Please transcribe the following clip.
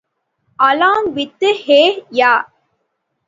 Along with Hey Ya!